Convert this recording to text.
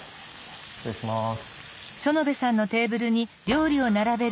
失礼します。